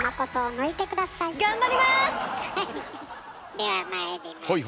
ではまいります。